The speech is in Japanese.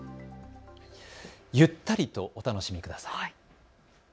ゆったりとお楽しみください。